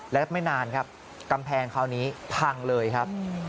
และไม่นานครับกำแพงคราวนี้พังเลยครับ